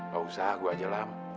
gak usah gue aja lah